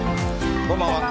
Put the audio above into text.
こんばんは。